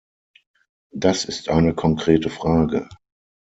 Das ist eine konkrete Frage.